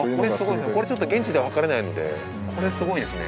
これちょっと現地では測れないのでこれすごいですね。